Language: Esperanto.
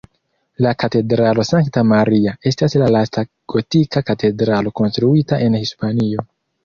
La Katedralo Sankta Maria estas la lasta gotika katedralo konstruita en Hispanio.